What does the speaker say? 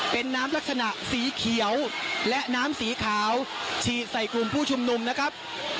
เป็นน้ำลักษณะสีเขียวและน้ำสีขาวฉีดใส่กลุ่มผู้ชุมนุมนะครับ